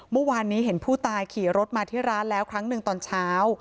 เมื่อวานนี้เห็นผู้ตายขี่รถมาที่ร้านแล้วครั้งหนึ่งตอนเช้า